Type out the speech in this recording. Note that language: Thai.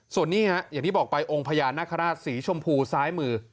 ส่วนนี้ฮะอย่างที่บอกไปองค์พญานาคาราชสีชมพูซ้ายมือ